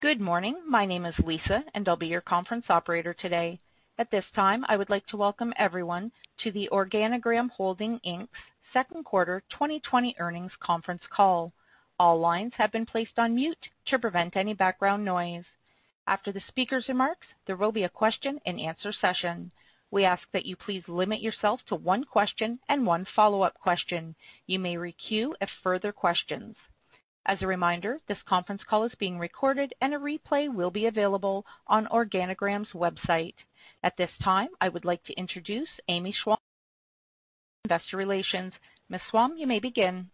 Good morning. My name is Lisa, and I'll be your conference operator today. At this time, I would like to welcome everyone to the Organigram Holdings Inc.'s second quarter twenty twenty earnings conference call. All lines have been placed on mute to prevent any background noise. After the speaker's remarks, there will be a question-and-answer session. We ask that you please limit yourself to one question and one follow-up question. You may requeue if further questions. As a reminder, this conference call is being recorded, and a replay will be available on Organigram's website. At this time, I would like to introduce Amy Schwalm, investor relations. Ms. Schwalm, you may begin.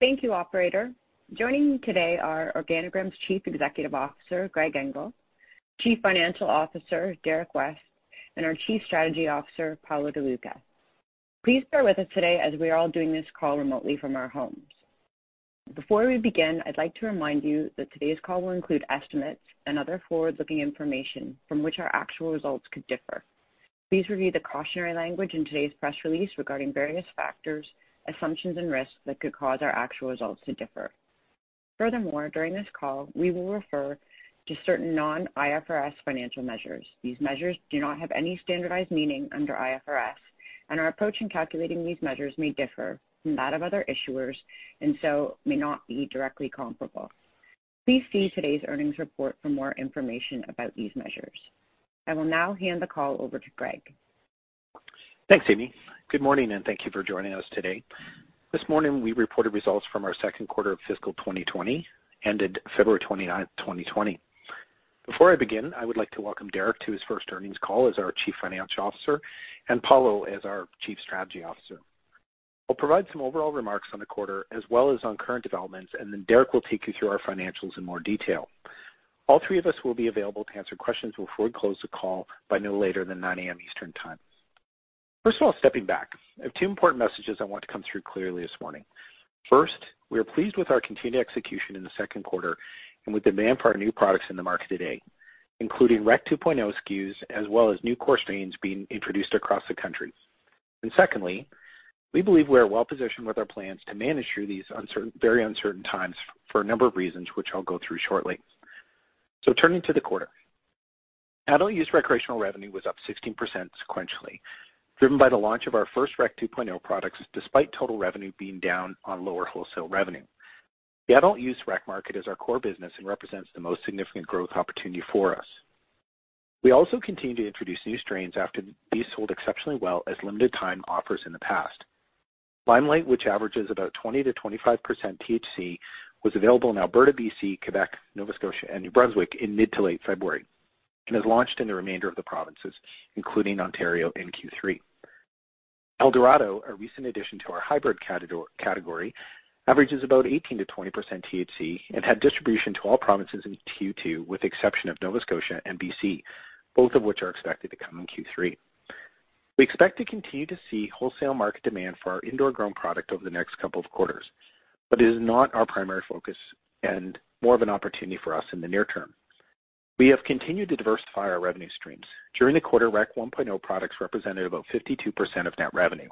Thank you, operator. Joining me today are Organigram's Chief Executive Officer, Greg Engel; Chief Financial Officer, Derrick West; and our Chief Strategy Officer, Paolo De Luca. Please bear with us today as we are all doing this call remotely from our homes. Before we begin, I'd like to remind you that today's call will include estimates and other forward-looking information from which our actual results could differ. Please review the cautionary language in today's press release regarding various factors, assumptions, and risks that could cause our actual results to differ. Furthermore, during this call, we will refer to certain non-IFRS financial measures. These measures do not have any standardized meaning under IFRS, and our approach in calculating these measures may differ from that of other issuers and so may not be directly comparable. Please see today's earnings report for more information about these measures. I will now hand the call over to Greg. Thanks, Amy. Good morning, and thank you for joining us today. This morning, we reported results from our second quarter of fiscal twenty twenty, ended February twenty-nine, twenty twenty. Before I begin, I would like to welcome Derrick to his first earnings call as our Chief Financial Officer and Paolo as our Chief Strategy Officer. I'll provide some overall remarks on the quarter as well as on current developments, and then Derrick will take you through our financials in more detail. All three of us will be available to answer questions before we close the call by no later than 9:00 A.M. Eastern Time. First of all, stepping back, I have two important messages I want to come through clearly this morning. First, we are pleased with our continued execution in the second quarter and with demand for our new products in the market today, including Rec 2.0 SKUs as well as new core strains being introduced across the country. And secondly, we believe we are well positioned with our plans to manage through these uncertain, very uncertain times for a number of reasons, which I'll go through shortly, so turning to the quarter. Adult-use recreational revenue was up 16% sequentially, driven by the launch of our first Rec 2.0 products, despite total revenue being down on lower wholesale revenue. The adult-use rec market is our core business and represents the most significant growth opportunity for us. We also continue to introduce new strains after these sold exceptionally well as limited time offers in the past. Limelight, which averages about 20-25% THC, was available in Alberta, BC, Quebec, Nova Scotia, and New Brunswick in mid to late February and is launched in the remainder of the provinces, including Ontario in Q3. El Dorado, a recent addition to our hybrid category, averages about 18-20% THC and had distribution to all provinces in Q2, with the exception of Nova Scotia and BC, both of which are expected to come in Q3. We expect to continue to see wholesale market demand for our indoor grown product over the next couple of quarters, but it is not our primary focus and more of an opportunity for us in the near term. We have continued to diversify our revenue streams. During the quarter, Rec 1.0 products represented about 52% of net revenue.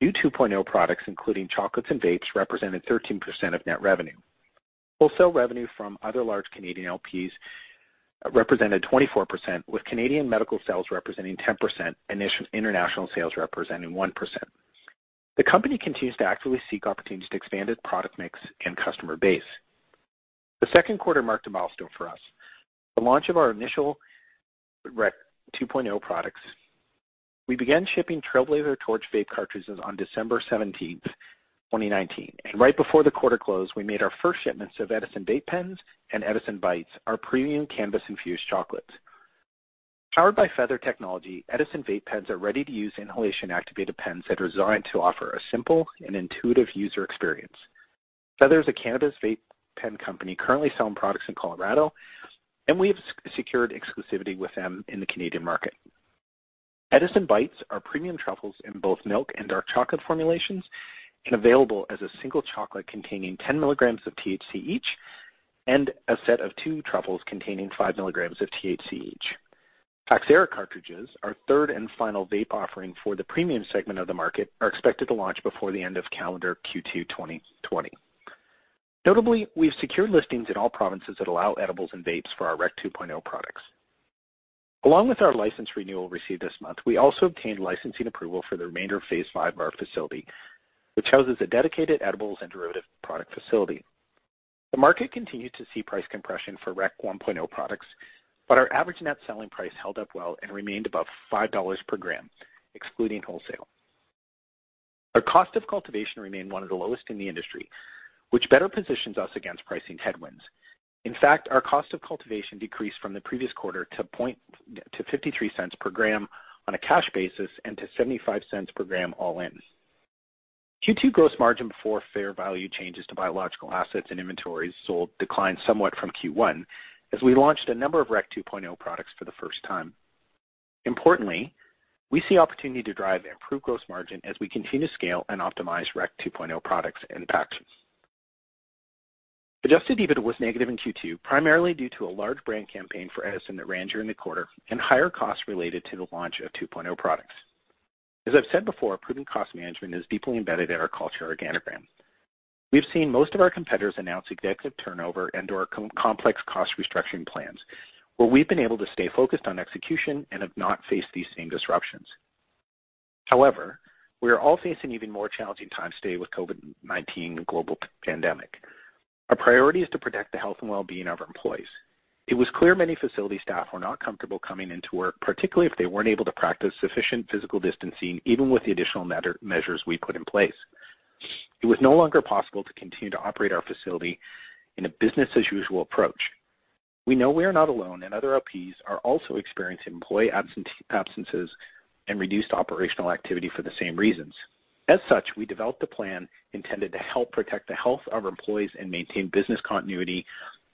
Rec 2.0 products, including chocolates and vapes, represented 13% of net revenue. Wholesale revenue from other large Canadian LPs represented 24%, with Canadian medical sales representing 10% and international sales representing 1%. The company continues to actively seek opportunities to expand its product mix and customer base. The second quarter marked a milestone for us, the launch of our initial Rec 2.0 products. We began shipping Trailblazer Torch vape cartridges on December seventeenth, 2019, and right before the quarter closed, we made our first shipments of Edison vape pens and Edison Bytes, our premium cannabis-infused chocolates. Powered by Feather technology, Edison vape pens are ready-to-use, inhalation-activated pens that are designed to offer a simple and intuitive user experience. Feather is a cannabis vape pen company currently selling products in Colorado, and we have secured exclusivity with them in the Canadian market. Edison Bytes are premium truffles in both milk and dark chocolate formulations and available as a single chocolate containing 10 milligrams of THC each and a set of two truffles containing five milligrams of THC each. PAX Era cartridges, our third and final vape offering for the premium segment of the market, are expected to launch before the end of calendar Q2 2020. Notably, we've secured listings in all provinces that allow edibles and vapes for our Rec 2.0 products. Along with our license renewal received this month, we also obtained licensing approval for the remainder of phase V of our facility, which houses a dedicated edibles and derivative product facility. The market continued to see price compression for Rec 1.0 products, but our average net selling price held up well and remained above 5 dollars per gram, excluding wholesale. Our cost of cultivation remained one of the lowest in the industry, which better positions us against pricing headwinds. In fact, our cost of cultivation decreased from the previous quarter to 0.53 per gram on a cash basis and to 0.75 per gram all in. Q2 gross margin before fair value changes to biological assets and inventories sold declined somewhat from Q1 as we launched a number of Rec 2.0 products for the first time. Importantly, we see opportunity to drive improved gross margin as we continue to scale and optimize Rec 2.0 products and packs. Adjusted EBITDA was negative in Q2, primarily due to a large brand campaign for Edison that ran during the quarter and higher costs related to the launch of 2.0 products. As I've said before, prudent cost management is deeply embedded in our culture at Organigram. We've seen most of our competitors announce executive turnover and/or complex cost restructuring plans, where we've been able to stay focused on execution and have not faced these same disruptions. However, we are all facing even more challenging times today with COVID-19 global pandemic. Our priority is to protect the health and well-being of our employees. It was clear many facility staff were not comfortable coming into work, particularly if they weren't able to practice sufficient physical distancing, even with the additional measures we put in place. It was no longer possible to continue to operate our facility in a business-as-usual approach. We know we are not alone, and other LPs are also experiencing employee absences and reduced operational activity for the same reasons. As such, we developed a plan intended to help protect the health of our employees and maintain business continuity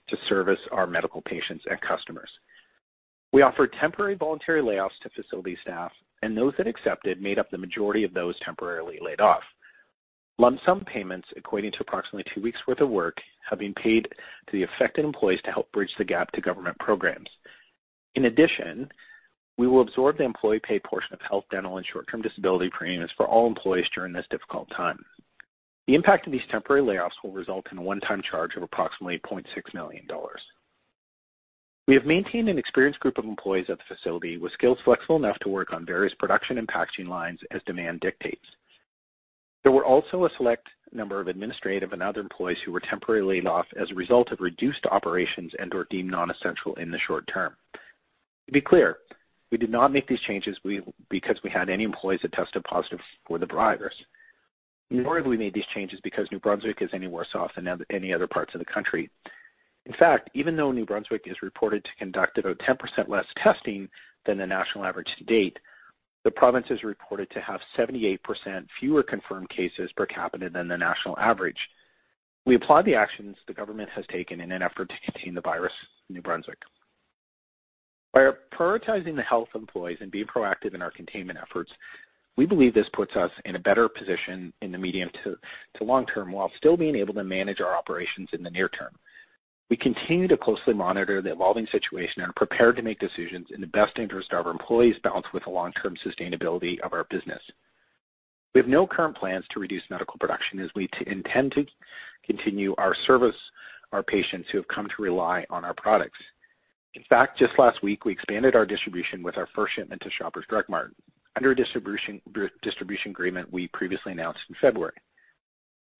to service our medical patients and customers. We offered temporary voluntary layoffs to facility staff, and those that accepted made up the majority of those temporarily laid off. Lump sum payments equating to approximately two weeks' worth of work have been paid to the affected employees to help bridge the gap to government programs. In addition, we will absorb the employee pay portion of health, dental, and short-term disability premiums for all employees during this difficult time. The impact of these temporary layoffs will result in a one-time charge of approximately 0.6 million dollars. We have maintained an experienced group of employees at the facility with skills flexible enough to work on various production and packaging lines as demand dictates. There were also a select number of administrative and other employees who were temporarily laid off as a result of reduced operations and/or deemed non-essential in the short term. To be clear, we did not make these changes because we had any employees that tested positive for the virus, nor have we made these changes because New Brunswick is any worse off than any other parts of the country. In fact, even though New Brunswick is reported to conduct about 10% less testing than the national average to date, the province is reported to have 78% fewer confirmed cases per capita than the national average. We applaud the actions the government has taken in an effort to contain the virus in New Brunswick. By prioritizing the health of employees and being proactive in our containment efforts, we believe this puts us in a better position in the medium to long term, while still being able to manage our operations in the near term. We continue to closely monitor the evolving situation and are prepared to make decisions in the best interest of our employees, balanced with the long-term sustainability of our business. We have no current plans to reduce medical production, as we intend to continue to serve our patients who have come to rely on our products. In fact, just last week, we expanded our distribution with our first shipment to Shoppers Drug Mart under a distribution agreement we previously announced in February.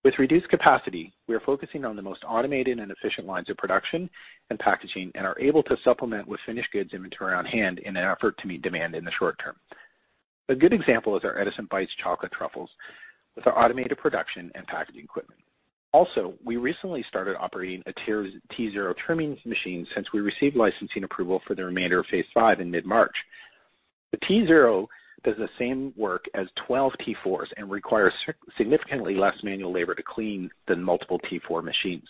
With reduced capacity, we are focusing on the most automated and efficient lines of production and packaging and are able to supplement with finished goods inventory on hand in an effort to meet demand in the short term. A good example is our Edison Bytes chocolate truffles with our automated production and packaging equipment. Also, we recently started operating a T0 trimming machine since we received licensing approval for the remainder of phase V in mid-March. The T0 does the same work as 12 T4s and requires significantly less manual labor to clean than multiple T4 machines.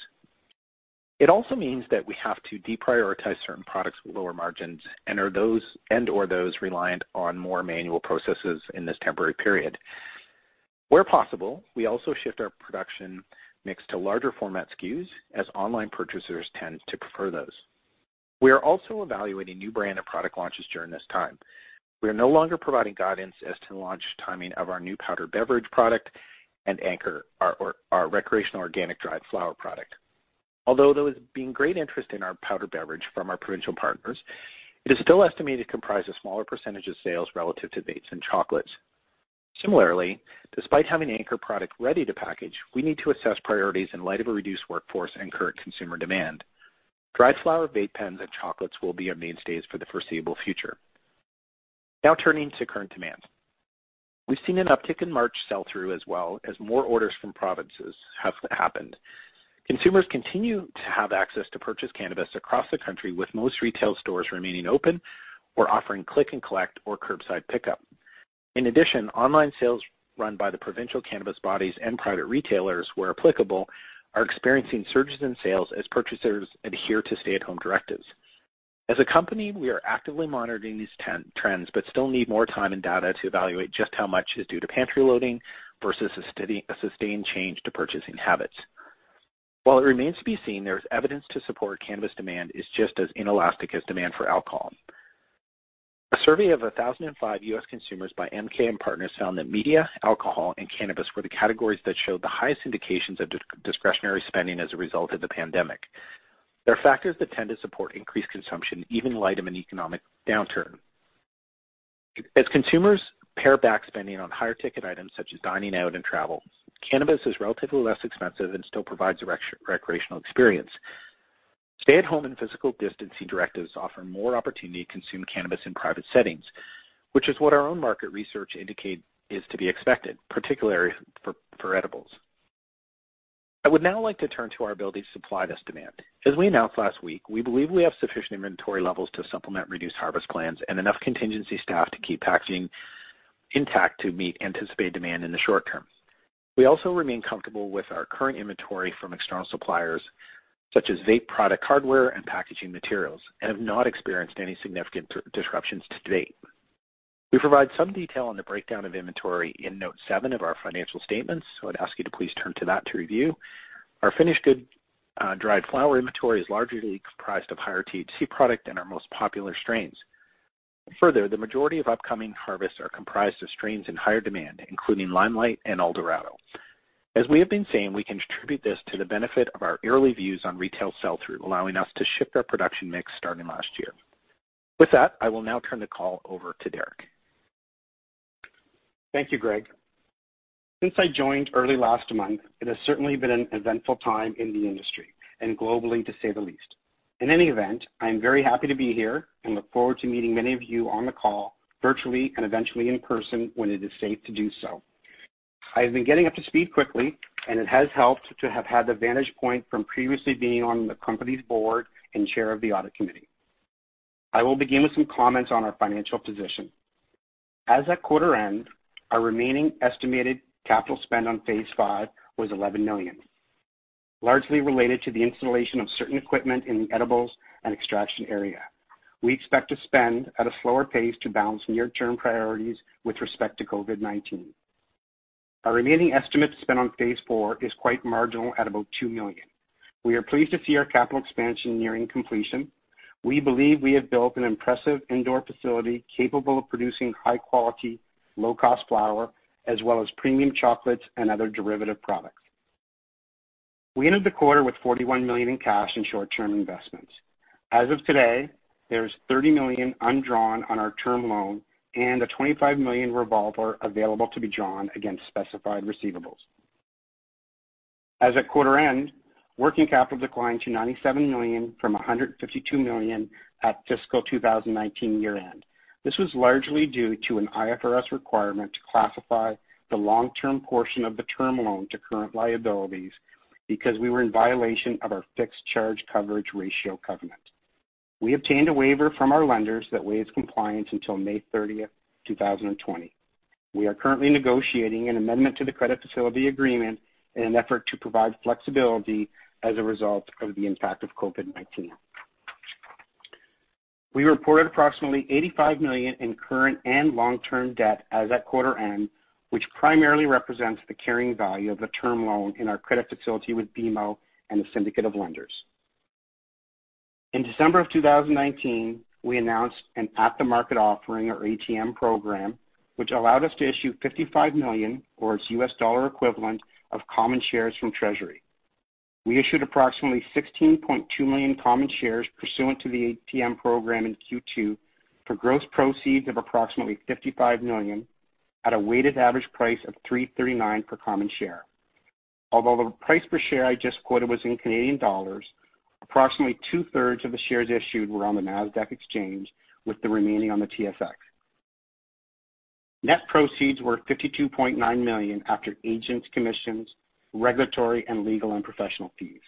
It also means that we have to deprioritize certain products with lower margins and/or those reliant on more manual processes in this temporary period. Where possible, we also shift our production mix to larger format SKUs, as online purchasers tend to prefer those. We are also evaluating new brand and product launches during this time. We are no longer providing guidance as to the launch timing of our new powdered beverage product and Ankr, our recreational organic dried flower product. Although there has been great interest in our powdered beverage from our provincial partners, it is still estimated to comprise a smaller percentage of sales relative to vapes and chocolates. Similarly, despite having an Ankr product ready to package, we need to assess priorities in light of a reduced workforce and current consumer demand. Dried flower vape pens and chocolates will be our mainstays for the foreseeable future. Now turning to current demand. We've seen an uptick in March sell-through, as well as more orders from provinces have happened. Consumers continue to have access to purchase cannabis across the country, with most retail stores remaining open or offering Click and Collect or Curbside Pickup. In addition, online sales run by the provincial cannabis bodies and private retailers, where applicable, are experiencing surges in sales as purchasers adhere to stay-at-home directives. As a company, we are actively monitoring these trends, but still need more time and data to evaluate just how much is due to pantry loading versus a steady, a sustained change to purchasing habits. While it remains to be seen, there is evidence to support cannabis demand is just as inelastic as demand for alcohol. A survey of 1,005 U.S. consumers by MKM Partners found that media, alcohol, and cannabis were the categories that showed the highest indications of discretionary spending as a result of the pandemic. There are factors that tend to support increased consumption, even in light of an economic downturn. As consumers pare back spending on higher-ticket items, such as dining out and travel, cannabis is relatively less expensive and still provides a recreational experience. Stay-at-home and physical distancing directives offer more opportunity to consume cannabis in private settings, which is what our own market research indicate is to be expected, particularly for edibles. I would now like to turn to our ability to supply this demand. As we announced last week, we believe we have sufficient inventory levels to supplement reduced harvest plans and enough contingency staff to keep packaging intact to meet anticipated demand in the short term. We also remain comfortable with our current inventory from external suppliers, such as vape product hardware and packaging materials, and have not experienced any significant disruptions to date. We provide some detail on the breakdown of inventory in note seven of our financial statements, so I'd ask you to please turn to that to review. Our finished goods, dried flower inventory is largely comprised of higher THC product and our most popular strains. Further, the majority of upcoming harvests are comprised of strains in higher demand, including Limelight and El Dorado. As we have been saying, we attribute this to the benefit of our early views on retail sell-through, allowing us to shift our production mix starting last year. With that, I will now turn the call over to Derrick. Thank you, Greg. Since I joined early last month, it has certainly been an eventful time in the industry and globally, to say the least. In any event, I am very happy to be here and look forward to meeting many of you on the call virtually and eventually in person when it is safe to do so. I have been getting up to speed quickly, and it has helped to have had the vantage point from previously being on the company's board and chair of the audit committee. I will begin with some comments on our financial position. As at quarter end, our remaining estimated capital spend on phase V was 11 million, largely related to the installation of certain equipment in the edibles and extraction area. We expect to spend at a slower pace to balance near-term priorities with respect to COVID-19. Our remaining estimate to spend on phase IV is quite marginal at about 2 million. We are pleased to see our capital expansion nearing completion. We believe we have built an impressive indoor facility capable of producing high quality, low-cost flower, as well as premium chocolates and other derivative products. We ended the quarter with 41 million in cash and short-term investments. As of today, there is 30 million undrawn on our term loan and a 25 million revolver available to be drawn against specified receivables. As at quarter end, working capital declined to 97 million from 152 million at fiscal 2019 year-end. This was largely due to an IFRS requirement to classify the long-term portion of the term loan to current liabilities, because we were in violation of our fixed charge coverage ratio covenant. We obtained a waiver from our lenders that waives compliance until May thirtieth, 2020. We are currently negotiating an amendment to the credit facility agreement in an effort to provide flexibility as a result of the impact of COVID-19. We reported approximately 85 million in current and long-term debt as at quarter end, which primarily represents the carrying value of the term loan in our credit facility with BMO and a syndicate of lenders. In December of 2019, we announced an at-the-market offering, or ATM program, which allowed us to issue 55 million or its USD equivalent of common shares from treasury. We issued approximately 16.2 million common shares pursuant to the ATM program in Q2 for gross proceeds of approximately 55 million at a weighted average price of 3.39 per common share. Although the price per share I just quoted was in Canadian dollars, approximately two-thirds of the shares issued were on the NASDAQ exchange, with the remaining on the TSX. Net proceeds were 52.9 million after agents, commissions, regulatory, and legal and professional fees.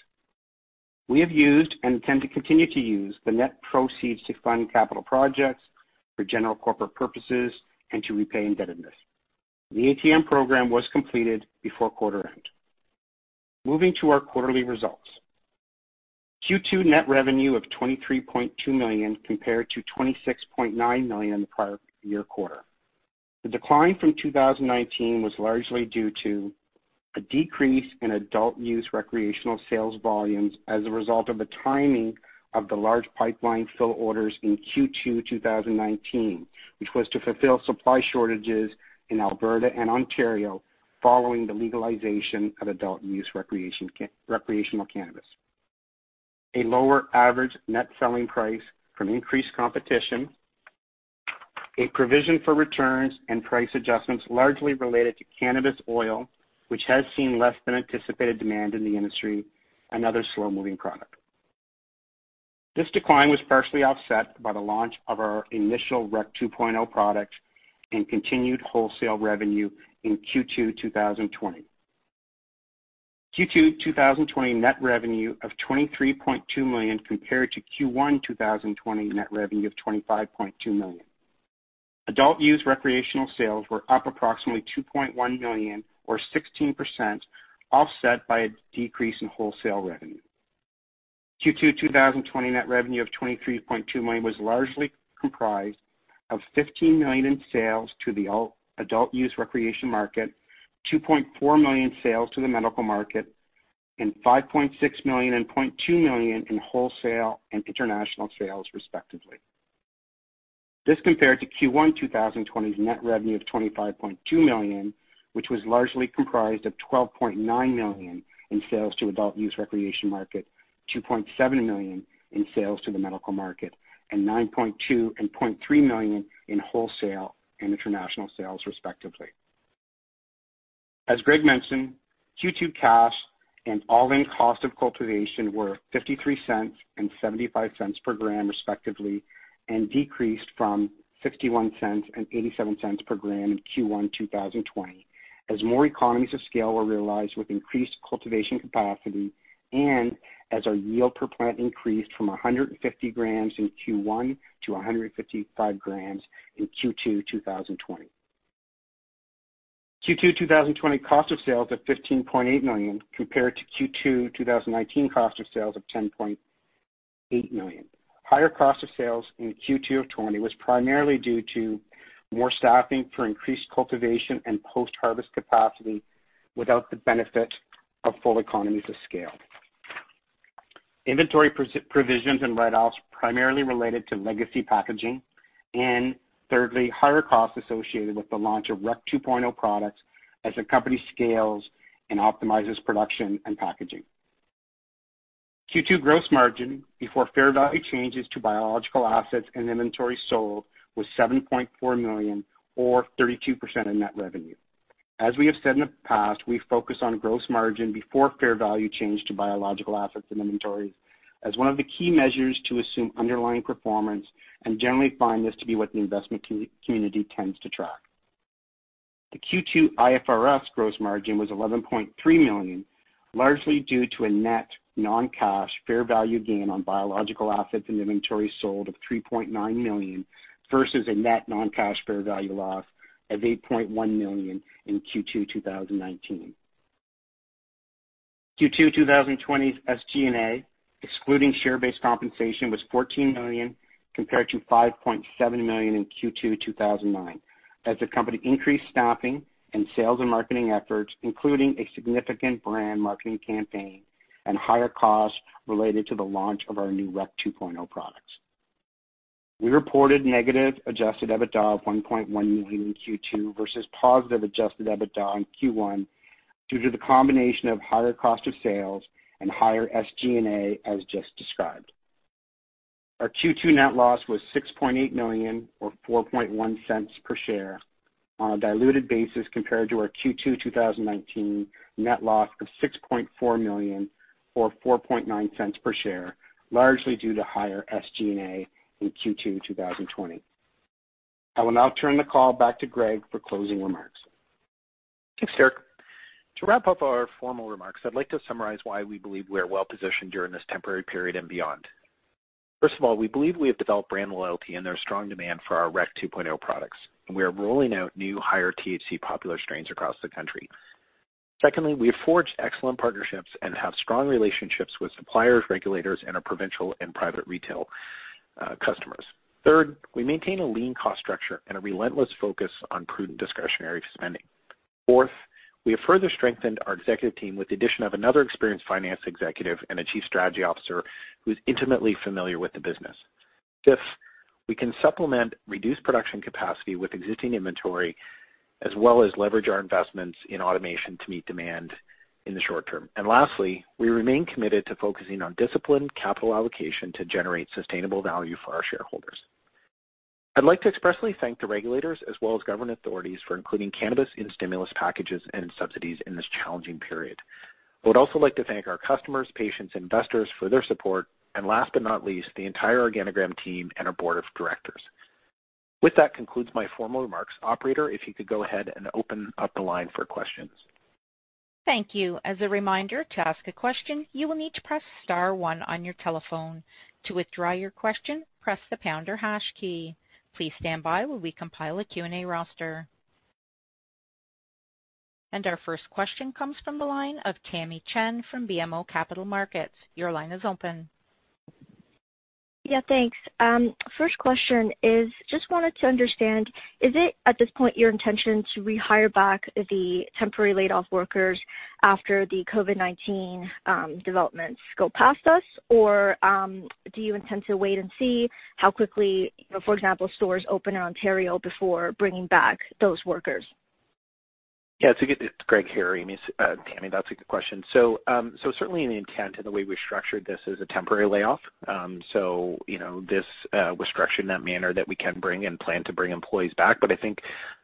We have used and intend to continue to use the net proceeds to fund capital projects, for general corporate purposes, and to repay indebtedness. The ATM program was completed before quarter end. Moving to our quarterly results. Q2 net revenue of 23.2 million, compared to 26.9 million the prior year quarter. The decline from 2019 was largely due to a decrease in adult use recreational sales volumes as a result of the timing of the large pipeline fill orders in Q2 2019, which was to fulfill supply shortages in Alberta and Ontario following the legalization of adult use recreational cannabis. A lower average net selling price from increased competition, a provision for returns and price adjustments largely related to cannabis oil, which has seen less than anticipated demand in the industry and other slow-moving product. This decline was partially offset by the launch of our initial Rec 2.0 product and continued wholesale revenue in Q2 2020. Q2 2020 net revenue of 23.2 million compared to Q1 2020 net revenue of 25.2 million. Adult use recreational sales were up approximately 2.1 million, or 16%, offset by a decrease in wholesale revenue. Q2 2020 net revenue of 23.2 million was largely comprised of 15 million in sales to the adult use recreation market, 2.4 million sales to the medical market, and 5.6 million and 0.2 million in wholesale and international sales, respectively. This compared to Q1 2020's net revenue of 25.2 million, which was largely comprised of 12.9 million in sales to adult use recreation market, 2.7 million in sales to the medical market, and 9.2 million and 0.3 million in wholesale and international sales, respectively. As Greg mentioned, Q2 cash and all-in cost of cultivation were 0.53 and 0.75 per gram, respectively, and decreased from 0.61 and 0.87 per gram in Q1 2020. As more economies of scale were realized with increased cultivation capacity and as our yield per plant increased from 150 grams in Q1 to 155 grams in Q2 2020. Q2 2020 cost of sales of 15.8 million, compared to Q2 2019 cost of sales of 10.8 million. Higher cost of sales in Q2 of 2020 was primarily due to more staffing for increased cultivation and post-harvest capacity without the benefit of full economies of scale. Inventory provisions and write-offs primarily related to legacy packaging, and thirdly, higher costs associated with the launch of rec 2.0 products as the company scales and optimizes production and packaging. Q2 gross margin before fair value changes to biological assets and inventory sold was $7.4 million, or 32% of net revenue. As we have said in the past, we focus on gross margin before fair value change to biological assets and inventories as one of the key measures to assume underlying performance, and generally find this to be what the investment community tends to track. The Q2 IFRS gross margin was $11.3 million, largely due to a net non-cash fair value gain on biological assets and inventory sold of $3.9 million, versus a net non-cash fair value loss of $8.1 million in Q2 2019. Q2 2020's SG&A, excluding share-based compensation, was CAD 14 million, compared to CAD 5.7 million in Q2 2019, as the company increased staffing and sales and marketing efforts, including a significant brand marketing campaign and higher costs related to the launch of our new Rec 2.0 products. We reported negative Adjusted EBITDA of 1.1 million in Q2 versus positive Adjusted EBITDA in Q1, due to the combination of higher cost of sales and higher SG&A, as just described. Our Q2 net loss was 6.8 million, or 0.041 per share on a diluted basis compared to our Q2 2019 net loss of 6.4 million, or 0.049 per share, largely due to higher SG&A in Q2 2020. I will now turn the call back to Greg for closing remarks. Thanks, Derrick. To wrap up our formal remarks, I'd like to summarize why we believe we are well positioned during this temporary period and beyond. First of all, we believe we have developed brand loyalty, and there's strong demand for our Rec 2.0 products, and we are rolling out new, higher THC popular strains across the country. Secondly, we have forged excellent partnerships and have strong relationships with suppliers, regulators, and our provincial and private retail customers. Third, we maintain a lean cost structure and a relentless focus on prudent discretionary spending. Fourth, we have further strengthened our executive team with the addition of another experienced finance executive and a Chief Strategy Officer, who's intimately familiar with the business. Fifth, we can supplement reduced production capacity with existing inventory, as well as leverage our investments in automation to meet demand in the short term. And lastly, we remain committed to focusing on disciplined capital allocation to generate sustainable value for our shareholders. I'd like to expressly thank the regulators as well as government authorities for including cannabis in stimulus packages and subsidies in this challenging period. I would also like to thank our customers, patients, investors for their support, and last but not least, the entire Organigram team and our board of directors. With that concludes my formal remarks. Operator, if you could go ahead and open up the line for questions. Thank you. As a reminder, to ask a question, you will need to press star one on your telephone. To withdraw your question, press the pound or hash key. Please stand by while we compile a Q&A roster. And our first question comes from the line of Tamy Chen from BMO Capital Markets. Your line is open. Yeah, thanks. First question is, just wanted to understand, is it, at this point, your intention to rehire back the temporary laid-off workers after the COVID-19 developments go past us? Or, do you intend to wait and see how quickly, you know, for example, stores open in Ontario before bringing back those workers? Yeah, it's Greg here, Amy, Tammy, that's a good question. So, certainly in the intent and the way we structured this is a temporary layoff. So, you know, this was structured in that manner that we can bring and plan to bring employees back. But I think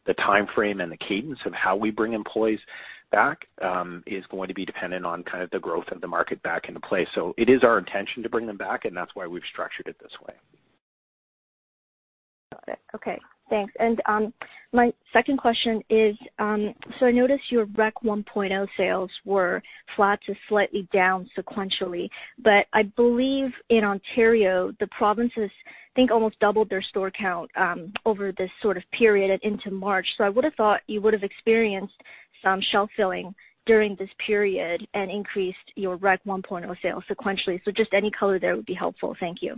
the timeframe and the cadence of how we bring employees back is going to be dependent on kind of the growth of the market back into play. So it is our intention to bring them back, and that's why we've structured it this way. Got it. Okay, thanks. And, my second question is, so I noticed your Rec 1.0 sales were flat to slightly down sequentially. But I believe in Ontario, the provinces, I think, almost doubled their store count, over this sort of period and into March. So I would have thought you would have experienced some shelf filling during this period and increased your Rec 1.0 sales sequentially. So just any color there would be helpful. Thank you.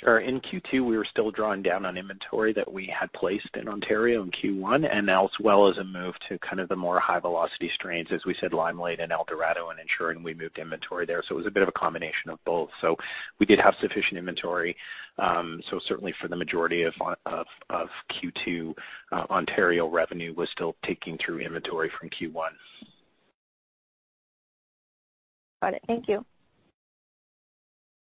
Sure. In Q2, we were still drawing down on inventory that we had placed in Ontario in Q1, and as well as a move to kind of the more high-velocity strains, as we said, Limelight and El Dorado, and ensuring we moved inventory there. So it was a bit of a combination of both. So we did have sufficient inventory. So certainly for the majority of Q2, Ontario revenue was still ticking through inventory from Q1. Got it. Thank you.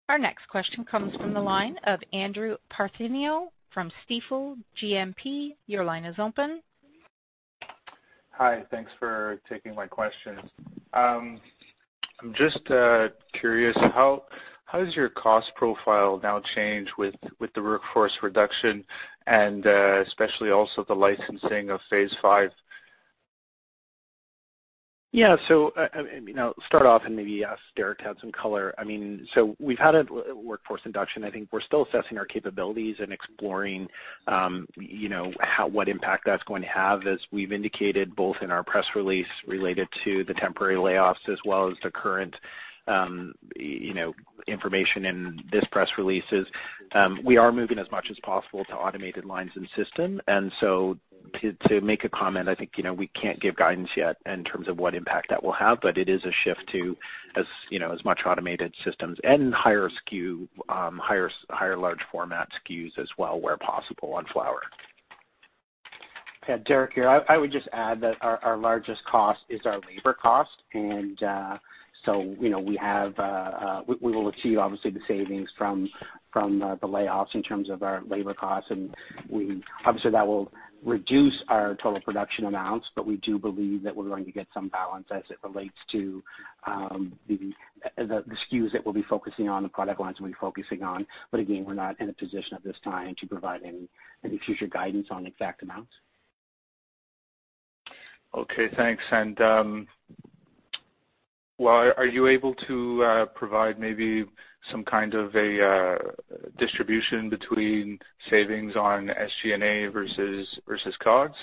Our next question comes from the line of Andrew Partheniou from Stifel GMP. Your line is open. Hi, thanks for taking my questions. I'm just curious, how does your cost profile now change with the workforce reduction and especially also the licensing of Phase 5? Yeah, so, I, you know, start off and maybe ask Derrick to add some color. I mean, so we've had a workforce induction. I think we're still assessing our capabilities and exploring, you know, what impact that's going to have, as we've indicated both in our press release related to the temporary layoffs as well as the current, you know, information in this press release is, we are moving as much as possible to automated lines and system. And so to make a comment, I think, you know, we can't give guidance yet in terms of what impact that will have, but it is a shift to, as, you know, as much automated systems and higher SKU, higher large format SKUs as well, where possible on flower. Yeah, Derrick here. I would just add that our largest cost is our labor cost, and so you know, we will achieve obviously the savings from the layoffs in terms of our labor costs. And obviously, that will reduce our total production amounts, but we do believe that we're going to get some balance as it relates to the SKUs that we'll be focusing on, the product lines we'll be focusing on. But again, we're not in a position at this time to provide any future guidance on exact amounts. Okay, thanks. And, well, are you able to provide maybe some kind of a distribution between savings on SG&A versus COGS?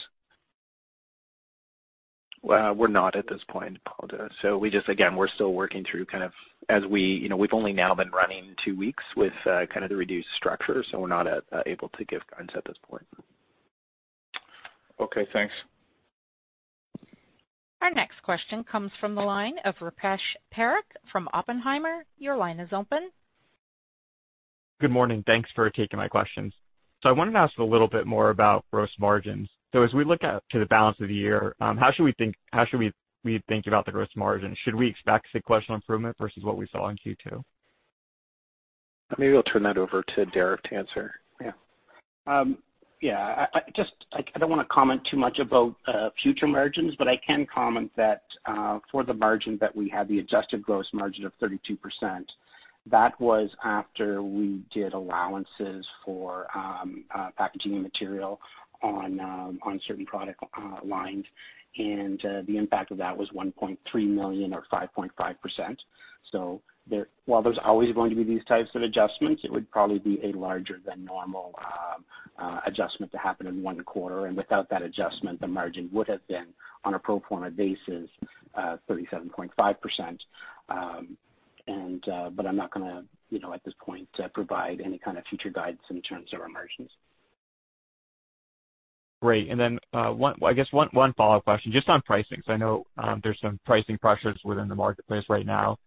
We're not at this point, Paul. So we just... Again, we're still working through kind of. You know, we've only now been running two weeks with kind of the reduced structure, so we're not able to give guidance at this point. Okay, thanks. Our next question comes from the line of Rupesh Parikh from Oppenheimer. Your line is open. Good morning. Thanks for taking my questions. So I wanted to ask a little bit more about gross margins. So as we look out to the balance of the year, how should we think about the gross margin? Should we expect sequential improvement versus what we saw in Q2? Maybe I'll turn that over to Derrick to answer. Yeah. Yeah, I just don't wanna comment too much about future margins, but I can comment that for the margin that we had, the adjusted gross margin of 32%, that was after we did allowances for packaging and material on certain product lines. And the impact of that was 1.3 million or 5.5%. So while there's always going to be these types of adjustments, it would probably be a larger than normal adjustment to happen in one quarter, and without that adjustment, the margin would have been, on a pro forma basis, 37.5%. And but I'm not gonna, you know, at this point, provide any kind of future guidance in terms of our margins. Great. And then one. I guess one follow-up question, just on pricing, because I know there's some pricing pressures within the marketplace right now.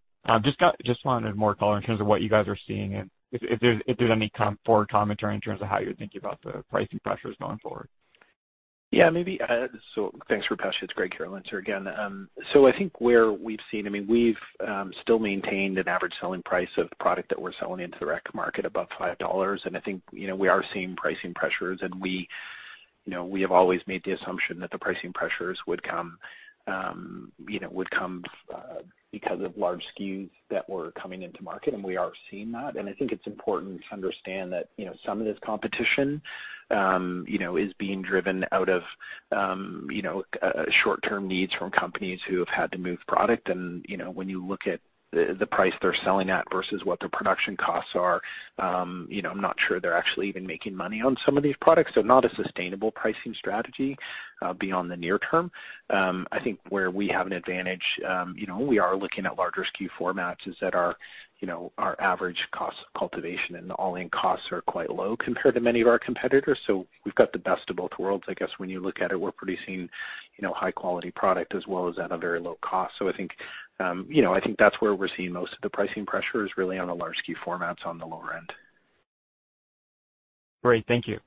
Just wanted more color in terms of what you guys are seeing and if there's any forward commentary in terms of how you're thinking about the pricing pressures going forward. Yeah, maybe. So thanks, Rupesh. It's Greg Engel answering again. So I think where we've seen, I mean, we've still maintained an average selling price of the product that we're selling into the rec market above 5 dollars. And I think, you know, we are seeing pricing pressures, and we, you know, we have always made the assumption that the pricing pressures would come, you know, would come because of large SKUs that were coming into market, and we are seeing that. And I think it's important to understand that, you know, some of this competition, you know, is being driven out of, you know, short-term needs from companies who have had to move product. You know, when you look at the price they're selling at versus what their production costs are, you know, I'm not sure they're actually even making money on some of these products, so not a sustainable pricing strategy beyond the near term. I think where we have an advantage, you know, we are looking at larger SKU formats, is that our, you know, our average cost of cultivation and the all-in costs are quite low compared to many of our competitors. So we've got the best of both worlds. I guess when you look at it, we're producing, you know, high-quality product as well as at a very low cost. So I think, you know, I think that's where we're seeing most of the pricing pressure is really on the large SKU formats on the lower end. Great, thank you.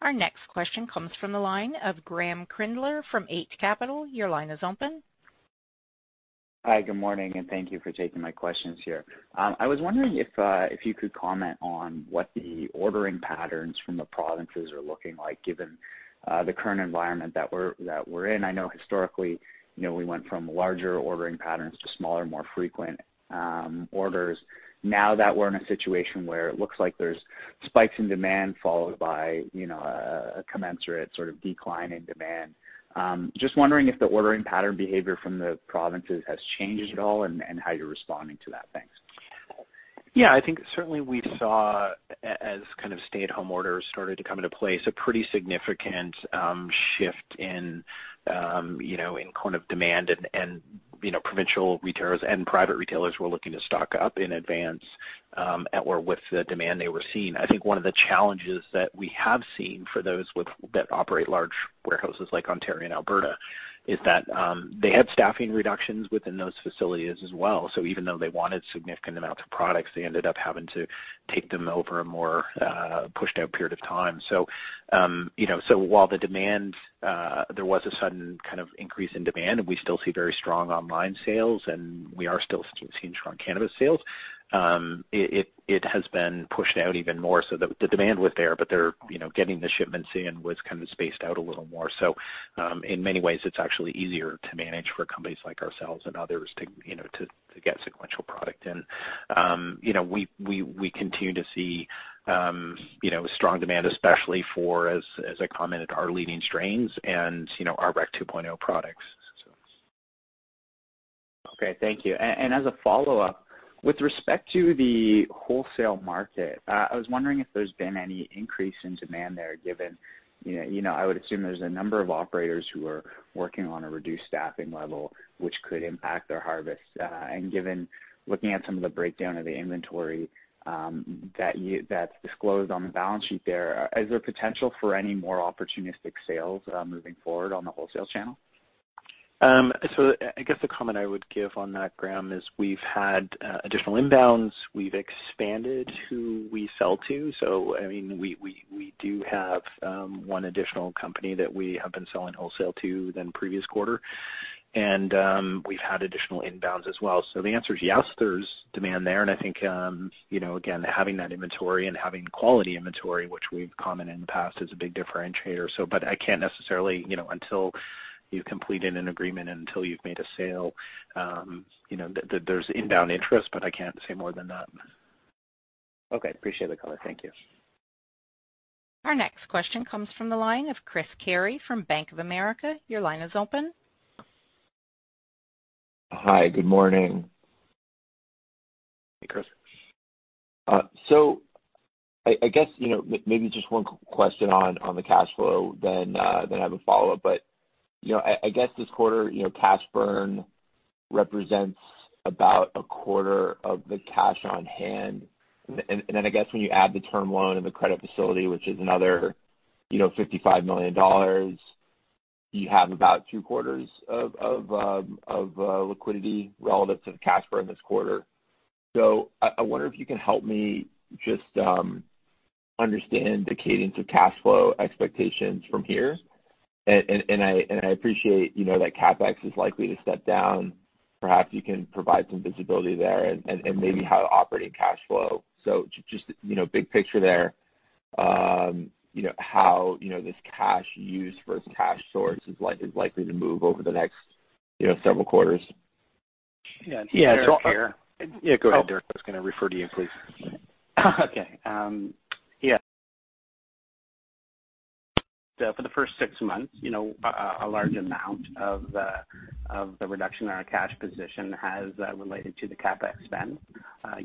Our next question comes from the line of Graeme Kreindler from Eight Capital. Your line is open. Hi, good morning, and thank you for taking my questions here. I was wondering if you could comment on what the ordering patterns from the provinces are looking like, given the current environment that we're in. I know historically, you know, we went from larger ordering patterns to smaller, more frequent orders. Now that we're in a situation where it looks like there's spikes in demand followed by, you know, a commensurate sort of decline in demand, just wondering if the ordering pattern behavior from the provinces has changed at all and how you're responding to that? Thanks. Yeah, I think certainly we saw, as kind of stay-at-home orders started to come into place, a pretty significant shift in, you know, in kind of demand and, and, you know, provincial retailers and private retailers were looking to stock up in advance with the demand they were seeing. I think one of the challenges that we have seen for those that operate large warehouses like Ontario and Alberta, is that, they had staffing reductions within those facilities as well. So even though they wanted significant amounts of products, they ended up having to take them over a more pushed out period of time. So, you know, so while the demand there was a sudden kind of increase in demand, and we still see very strong online sales, and we are still seeing strong cannabis sales, it has been pushed out even more. So the demand was there, but they're, you know, getting the shipments in was kind of spaced out a little more. So, in many ways, it's actually easier to manage for companies like ourselves and others to, you know, to get sequential product in. You know, we continue to see, you know, strong demand, especially for, as I commented, our leading strains and, you know, our Rec 2.0 products, so. Okay, thank you. And as a follow-up-With respect to the wholesale market, I was wondering if there's been any increase in demand there, given, you know, I would assume there's a number of operators who are working on a reduced staffing level, which could impact their harvest. And given looking at some of the breakdown of the inventory, that's disclosed on the balance sheet there, is there potential for any more opportunistic sales, moving forward on the wholesale channel? So I guess the comment I would give on that, Graeme, is we've had additional inbounds. We've expanded who we sell to. So I mean, we do have one additional company that we have been selling wholesale to than previous quarter. And we've had additional inbounds as well. So the answer is yes, there's demand there, and I think, you know, again, having that inventory and having quality inventory, which we've commented in the past, is a big differentiator. So but I can't necessarily, you know, until you've completed an agreement, until you've made a sale, you know, there, there's inbound interest, but I can't say more than that. Okay, appreciate the color. Thank you. Our next question comes from the line of Chris Carey from Bank of America. Your line is open. Hi, good morning. Hey, Chris. So I guess, you know, maybe just one question on the cash flow, then I have a follow-up. But you know, I guess this quarter, you know, cash burn represents about a quarter of the cash on hand. And then I guess when you add the term loan and the credit facility, which is another, you know, 55 million dollars, you have about two quarters of liquidity relative to the cash burn this quarter. So I wonder if you can help me just understand the cadence of cash flow expectations from here. And I appreciate, you know, that CapEx is likely to step down. Perhaps you can provide some visibility there and maybe how operating cash flow. So just, you know, big picture there, you know, how, you know, this cash used versus cash sourced is likely to move over the next, you know, several quarters. Yeah. Yeah. Derrick here. Yeah, go ahead, Derrick. I was going to refer to you, please. Okay. Yeah. For the first six months, you know, a large amount of the reduction in our cash position has related to the CapEx spend.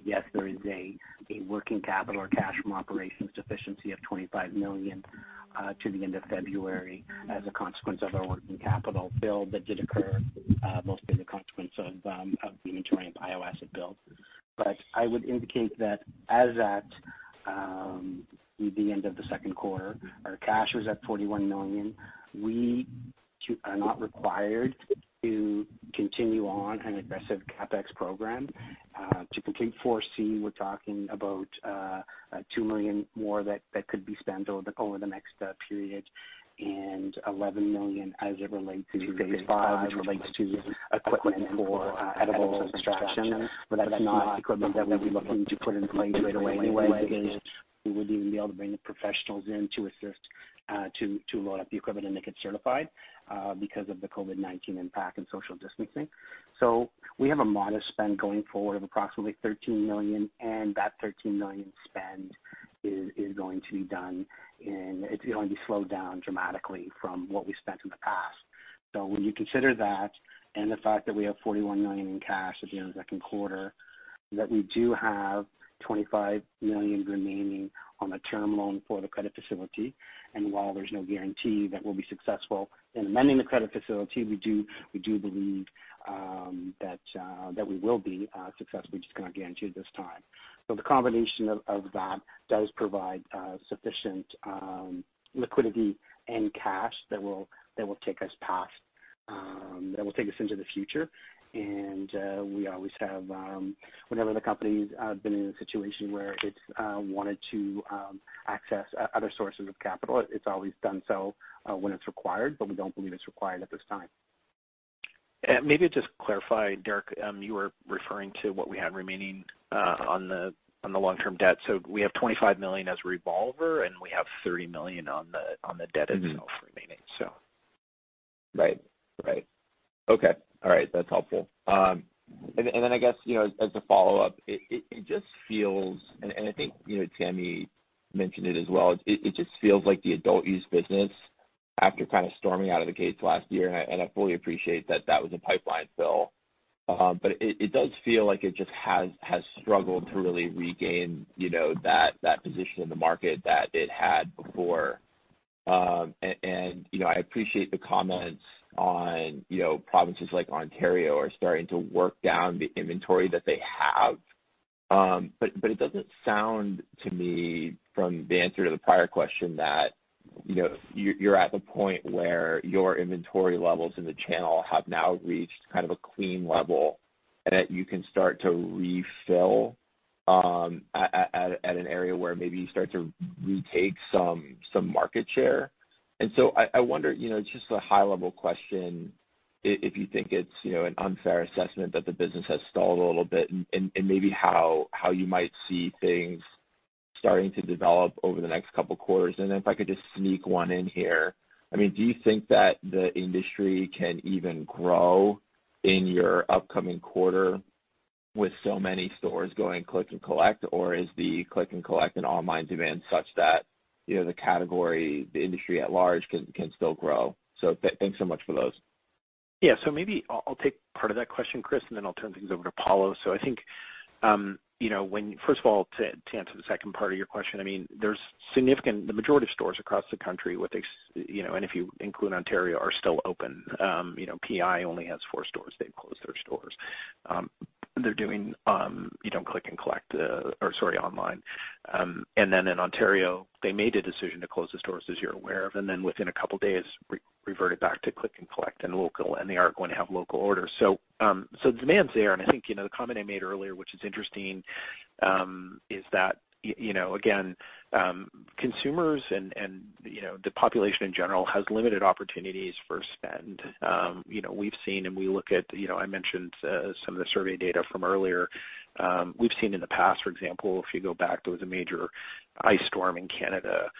Yes, there is a working capital or cash from operations deficiency of 25 million to the end of February as a consequence of our working capital build that did occur, mostly the consequence of the interim bio asset build. But I would indicate that as at the end of the second quarter, our cash was at 41 million. We are not required to continue on an aggressive CapEx program. To complete 4C, we're talking about 2 million more that could be spent over the next period, and 11 million as it relates to phase V, which relates to equipment for edible extraction. But that's not equipment that we'd be looking to put in place right away anyway, because we wouldn't even be able to bring the professionals in to assist to load up the equipment and make it certified because of the COVID-19 impact and social distancing. We have a modest spend going forward of approximately 13 million, and that 13 million spend is going to be done in. It's going to be slowed down dramatically from what we spent in the past. So when you consider that and the fact that we have 41 million in cash at the end of the second quarter, that we do have 25 million remaining on the term loan for the credit facility, and while there's no guarantee that we'll be successful in amending the credit facility, we do, we do believe that we will be successful. We just cannot guarantee it at this time. So the combination of that does provide sufficient liquidity and cash that will take us into the future. And we always have, whenever the company's been in a situation where it's wanted to access other sources of capital, it's always done so when it's required, but we don't believe it's required at this time. Maybe just to clarify, Derrick, you were referring to what we had remaining on the long-term debt. So we have 25 million as revolver, and we have 30 million on the debt itself remaining, so. Right. Right. Okay. All right. That's helpful. And then I guess, you know, as a follow-up, it just feels, and I think, you know, Tammy mentioned it as well, it just feels like the adult use business, after kind of storming out of the gates last year, and I fully appreciate that that was a pipeline fill. But it does feel like it just has struggled to really regain, you know, that position in the market that it had before. And you know, I appreciate the comments on, you know, provinces like Ontario are starting to work down the inventory that they have. But it doesn't sound to me, from the answer to the prior question, that, you know, you're at the point where your inventory levels in the channel have now reached kind of a clean level, and that you can start to refill at an area where maybe you start to retake some market share. And so I wonder, you know, just a high-level question, if you think it's, you know, an unfair assessment that the business has stalled a little bit, and maybe how you might see things starting to develop over the next couple of quarters. And then if I could just sneak one in here. I mean, do you think that the industry can even grow in your upcoming quarter with so many stores going Click and Collect? Or is the Click and Collect and online demand such that, you know, the category, the industry at large, can still grow? So thanks so much for those. Yeah, so maybe I'll take part of that question, Chris, and then I'll turn things over to Paolo. So I think, you know, when... First of all, to answer the second part of your question, I mean, there's significantly the majority of stores across the country with, you know, and if you include Ontario, are still open. You know, PEI only has four stores, they've closed their stores. They're doing, you know, click and collect, or sorry, online. And then in Ontario, they made a decision to close the stores, as you're aware of, and then within a couple days, reverted back to click and collect and local, and they are going to have local orders. So, the demand's there, and I think, you know, the comment I made earlier, which is interesting, is that, you know, again, consumers and, you know, the population in general has limited opportunities for spend. You know, we've seen and we look at, you know, I mentioned, some of the survey data from earlier. We've seen in the past, for example, if you go back, there was a major ice storm in Canada,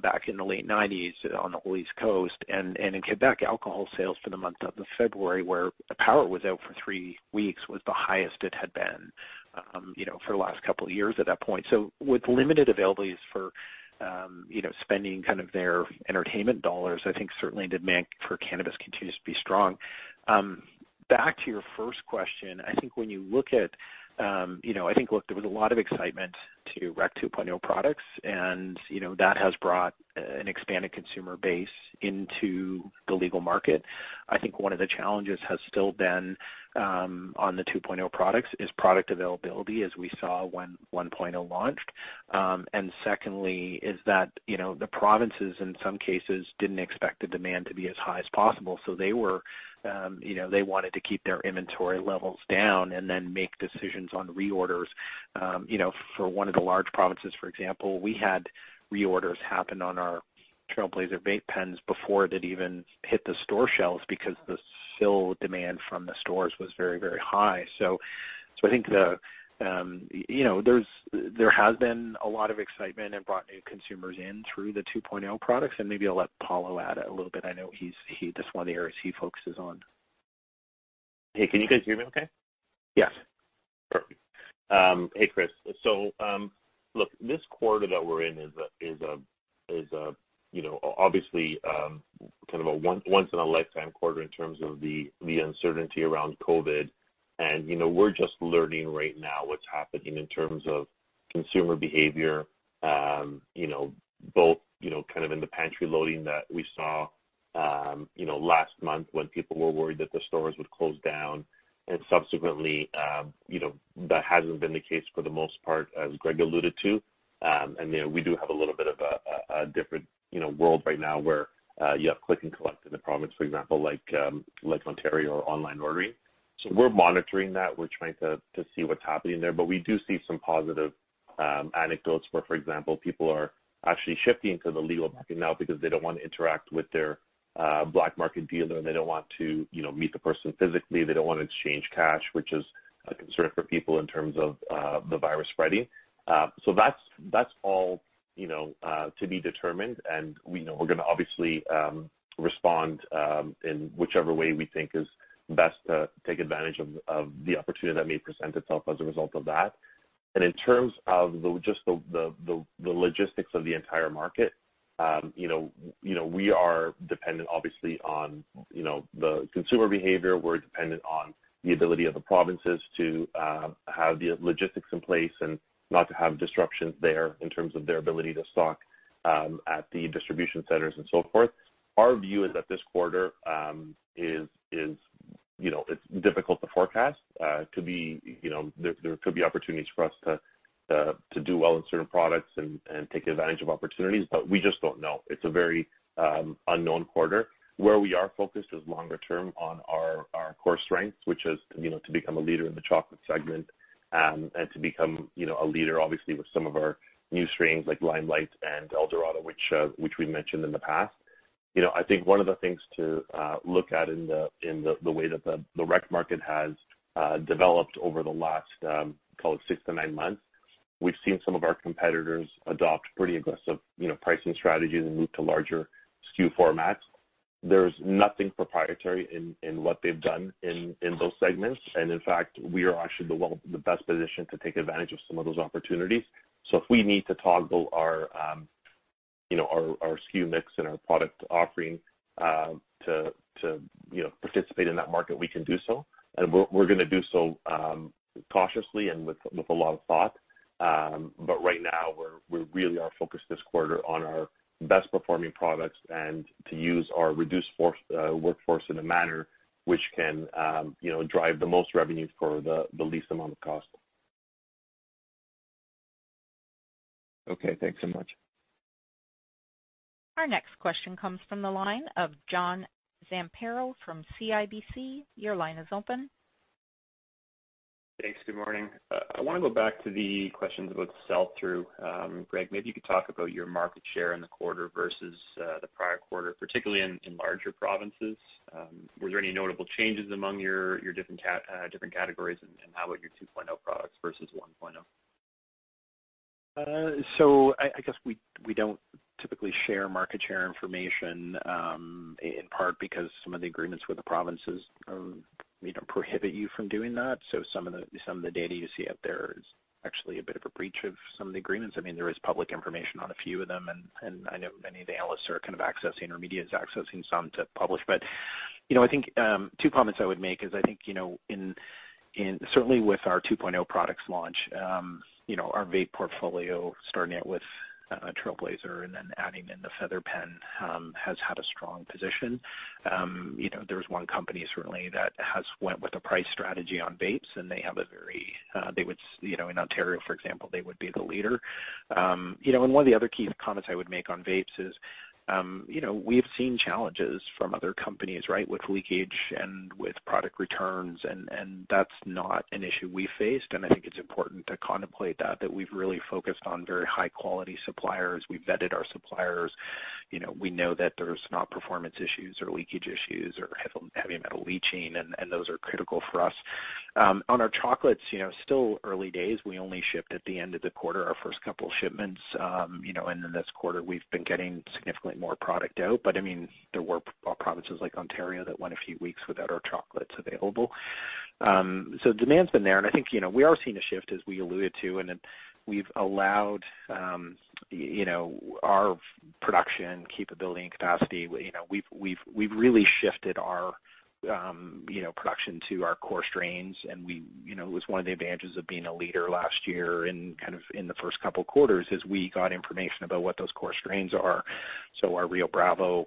back in the late 1990s on the whole East Coast, and in Quebec, alcohol sales for the month of February, where the power was out for three weeks, was the highest it had been, you know, for the last couple of years at that point. With limited availabilities for, you know, spending kind of their entertainment dollars, I think certainly the demand for cannabis continues to be strong. Back to your first question, I think when you look at, you know, I think, look, there was a lot of excitement to Rec 2.0 products, and, you know, that has brought, an expanded consumer base into the legal market. I think one of the challenges has still been, on the 2.0 products, is product availability, as we saw when 1.0 launched. And secondly, is that, you know, the provinces in some cases didn't expect the demand to be as high as possible, so they were, you know, they wanted to keep their inventory levels down and then make decisions on reorders. You know, for one of the large provinces, for example, we had reorders happen on our Trailblazer vape pens before it had even hit the store shelves because the strong demand from the stores was very, very high. So I think the, you know, there has been a lot of excitement and brought new consumers in through the 2.0 products, and maybe I'll let Paolo add a little bit. I know he's, that's one of the areas he focuses on. Hey, can you guys hear me okay? Yes. Perfect. Hey, Chris. So, look, this quarter that we're in is a you know, obviously, kind of a once in a lifetime quarter in terms of the uncertainty around COVID. And, you know, we're just learning right now what's happening in terms of consumer behavior, you know, both, you know, kind of in the pantry loading that we saw, you know, last month when people were worried that the stores would close down. And subsequently, you know, that hasn't been the case for the most part, as Greg alluded to. And, you know, we do have a little bit of a different, you know, world right now where you have click and collect in the province, for example, like, like Ontario or online ordering. So we're monitoring that. We're trying to see what's happening there, but we do see some positive anecdotes where, for example, people are actually shifting to the legal market now because they don't want to interact with their black market dealer, and they don't want to, you know, meet the person physically. They don't want to exchange cash, which is a concern for people in terms of the virus spreading. So that's all, you know, to be determined, and we know we're gonna obviously respond in whichever way we think is best to take advantage of the opportunity that may present itself as a result of that. In terms of just the logistics of the entire market, you know, we are dependent, obviously, on, you know, the consumer behavior. We're dependent on the ability of the provinces to have the logistics in place and not to have disruptions there in terms of their ability to stock at the distribution centers and so forth. Our view is that this quarter is, you know, it's difficult to forecast. Could be, you know, there could be opportunities for us to do well in certain products and take advantage of opportunities, but we just don't know. It's a very unknown quarter. Where we are focused is longer term on our core strengths, which is, you know, to become a leader in the chocolate segment and to become, you know, a leader, obviously, with some of our new strains, like Limelight and El Dorado, which we mentioned in the past. You know, I think one of the things to look at in the way that the rec market has developed over the last, call it six to nine months. We've seen some of our competitors adopt pretty aggressive, you know, pricing strategies and move to larger SKU formats. There's nothing proprietary in what they've done in those segments, and in fact, we are actually the best positioned to take advantage of some of those opportunities. So if we need to toggle our, you know, our SKU mix and our product offering, to, you know, participate in that market, we can do so. We're gonna do so cautiously and with a lot of thought. But right now, we're, we really are focused this quarter on our best-performing products and to use our reduced workforce in a manner which can, you know, drive the most revenue for the least amount of cost. Okay, thanks so much. Our next question comes from the line of John Zamparo from CIBC. Your line is open. Thanks. Good morning. I wanna go back to the questions about sell-through. Greg, maybe you could talk about your market share in the quarter versus the prior quarter, particularly in larger provinces. Were there any notable changes among your different categories, and how about your 2.0 products versus 1.0? I guess we don't typically share market share information, in part because some of the agreements with the provinces, you know, prohibit you from doing that. So some of the data you see out there is actually a bit of a breach of some of the agreements. I mean, there is public information on a few of them, and I know many of the analysts are kind of accessing or media is accessing some to publish. You know, I think two comments I would make is I think, you know, in certainly with our 2.0 products launch, you know, our vape portfolio, starting out with Trailblazer and then adding in the Feather Pen, has had a strong position. You know, there's one company certainly that has went with a price strategy on vapes, and they have a very, they would, you know, in Ontario, for example, they would be the leader. You know, and one of the other key comments I would make on vapes is, you know, we've seen challenges from other companies, right? With leakage and with product returns, and, and that's not an issue we faced, and I think it's important to contemplate that, that we've really focused on very high quality suppliers. We've vetted our suppliers, you know, we know that there's not performance issues or leakage issues or heavy, heavy metal leaching, and, and those are critical for us. On our chocolates, you know, still early days, we only shipped at the end of the quarter, our first couple shipments. You know, and in this quarter, we've been getting significantly more product out, but I mean, there were provinces like Ontario that went a few weeks without our chocolates available. So demand's been there, and I think, you know, we are seeing a shift as we alluded to, and then we've allowed, you know, our production capability and capacity, you know, we've really shifted our, you know, production to our core strains. And you know, it was one of the advantages of being a leader last year in, kind of, in the first couple quarters, is we got information about what those core strains are. So our Rio Bravo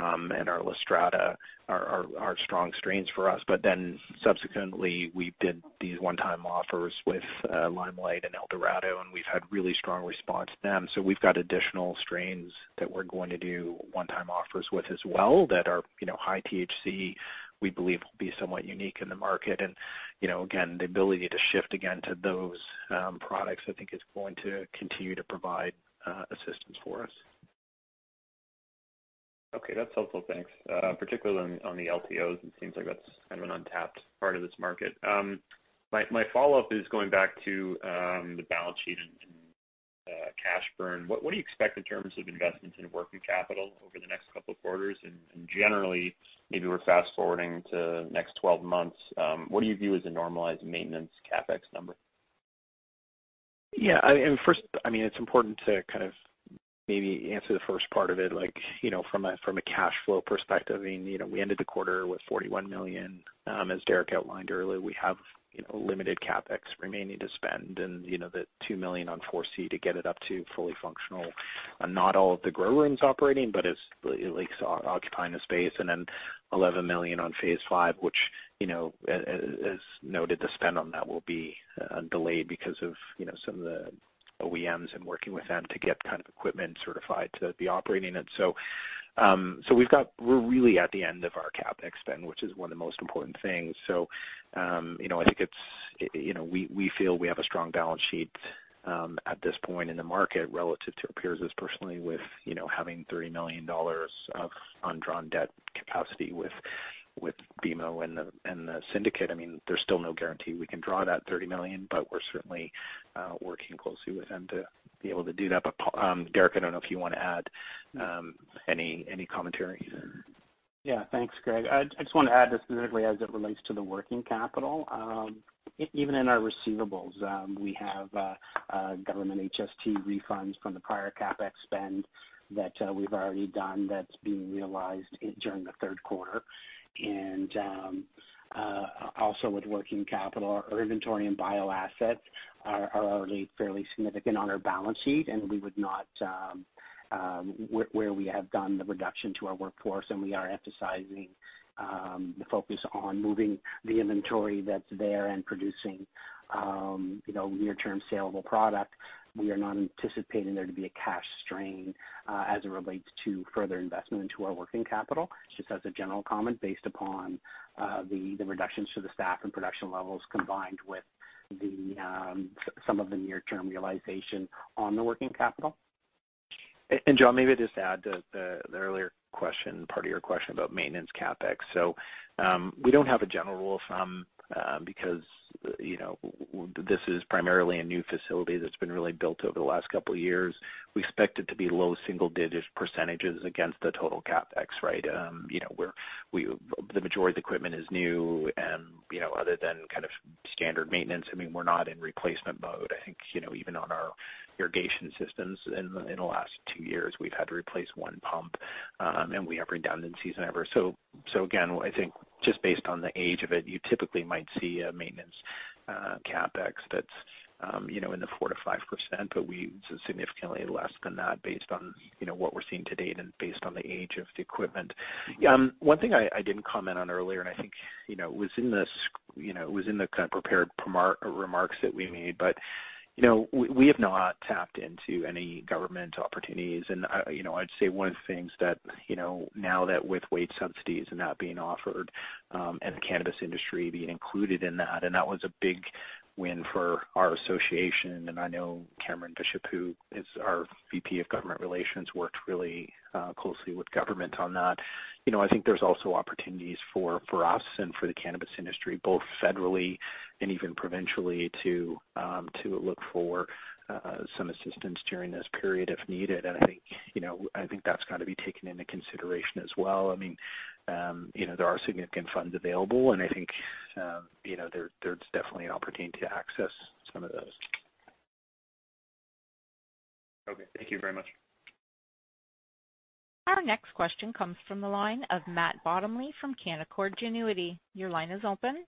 and our La Strada are strong strains for us. But then subsequently, we did these one-time offers with Limelight and El Dorado, and we've had really strong response to them. So we've got additional strains that we're going to do one-time offers with as well, that are, you know, high THC, we believe will be somewhat unique in the market. And, you know, again, the ability to shift again to those products, I think is going to continue to provide assistance for us. Okay, that's helpful. Thanks. Particularly on the LTOs, it seems like that's kind of an untapped part of this market. My follow-up is going back to the balance sheet and cash burn. What do you expect in terms of investment in working capital over the next couple of quarters? And generally, maybe we're fast forwarding to next twelve months, what do you view as a normalized maintenance CapEx number? Yeah, and first, I mean, it's important to kind of maybe answer the first part of it, like, you know, from a, from a cash flow perspective, I mean, you know, we ended the quarter with 41 million. As Derrick outlined earlier, we have, you know, limited CapEx remaining to spend and, you know, the 2 million on 4C to get it up to fully functional. And not all of the grow rooms operating, but it's like occupying the space, and then 11 million on phase five, which, you know, as noted, the spend on that will be delayed because of, you know, some of the OEMs and working with them to get kind of equipment certified to be operating. And so, we're really at the end of our CapEx spend, which is one of the most important things. You know, I think it's. You know, we, we feel we have a strong balance sheet at this point in the market relative to our peers, as personally with, you know, having 30 million dollars of undrawn debt capacity with, with BMO and the, and the syndicate. I mean, there's still no guarantee we can draw that 30 million, but we're certainly working closely with them to be able to do that. But, Derrick, I don't know if you want to add any commentary? Yeah. Thanks, Greg. I just want to add specifically as it relates to the working capital. Even in our receivables, we have government HST refunds from the prior CapEx spend that we've already done, that's being realized during the third quarter. And also with working capital, our inventory and biological assets are already fairly significant on our balance sheet, and we would not where we have done the reduction to our workforce, and we are emphasizing the focus on moving the inventory that's there and producing you know near-term saleable product. We are not anticipating there to be a cash strain as it relates to further investment into our working capital. Just as a general comment, based upon the reductions to the staff and production levels, combined with some of the near-term realization on the working capital. And John, maybe just to add to the earlier question, part of your question about maintenance CapEx. So, we don't have a general rule of thumb, because, you know, this is primarily a new facility that's been really built over the last couple of years. We expect it to be low single-digit % against the total CapEx, right? You know, we're the majority of the equipment is new and, you know, other than kind of standard maintenance, I mean, we're not in replacement mode. I think, you know, even on our irrigation systems in the last two years, we've had to replace one pump, and we have redundancies whenever. Again, I think just based on the age of it, you typically might see a maintenance CapEx that's, you know, in the 4%-5%, but significantly less than that based on, you know, what we're seeing to date and based on the age of the equipment. One thing I didn't comment on earlier, and I think, you know, was in the kind of prepared remarks that we made, but, you know, we have not tapped into any government opportunities. And I, you know, I'd say one of the things that, you know, now that with wage subsidies and that being offered, and the cannabis industry being included in that, and that was a big win for our association. And I know Cameron Bishop, who is our VP of Government Relations, worked really closely with government on that. You know, I think there's also opportunities for us and for the cannabis industry, both federally and even provincially, to look for some assistance during this period if needed. And I think, you know, I think that's got to be taken into consideration as well. I mean, you know, there are significant funds available, and I think, you know, there's definitely an opportunity to access some of those. Thank you very much. Our next question comes from the line of Matt Bottomley from Canaccord Genuity. Your line is open.